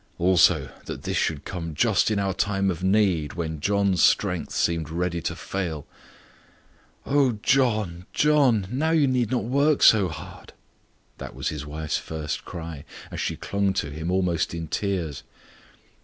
Also, that this should come just in our time of need when John's strength seemed ready to fail. "Oh John John! now you need not work so hard!" That was his wife's first cry, as she clung to him almost in tears.